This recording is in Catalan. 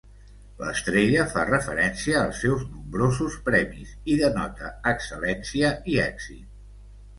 L'estrella fa referència als seus nombrosos premis i denota excel·lència i èxit.